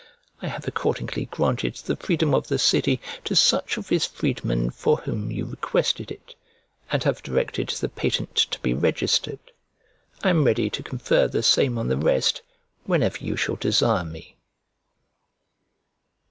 I have accordingly granted the freedom of the city to such of his freedmen for whom you requested it, and have directed the patent to be registered: I am ready to confer the same on the rest, whenever you shall desire me.